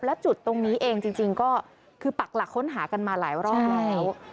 และจุดตรงนี้เองจริงก็คือปักหลักค้นหากันมาหลายรอบแล้ว